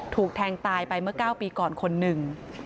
ถูกแทงตายไปเมื่อเมื่อเก้าปีก่อนคนนึง